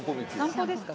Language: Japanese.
散歩ですか？